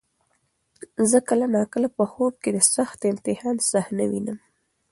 زه کله ناکله په خوب کې د سخت امتحان صحنه وینم.